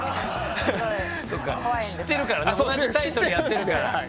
そっか知ってるからね同じタイトルやってるから。